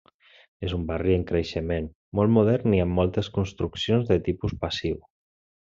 És un barri en creixement, molt modern i amb moltes construccions de tipus passiu.